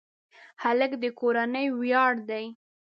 هلک د کورنۍ ویاړ دی.